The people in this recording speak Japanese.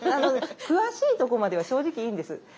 詳しいとこまでは正直いいんです。